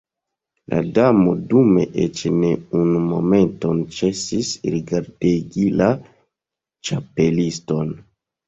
La Damo dume eĉ ne unu momenton ĉesis rigardegi la Ĉapeliston.